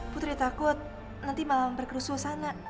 putri takut nanti malam berkerusuh sana